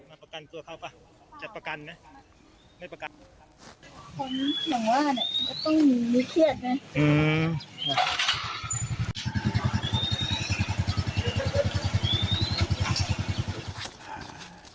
ไม่ประกันนะคนเหมือนว่าเนี่ยก็ต้องมีวิเครียดนะ